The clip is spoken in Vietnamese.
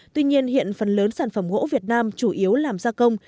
tuy nhiên hiện phần lớn sản phẩm gỗ việt nam chủ yếu làm gia công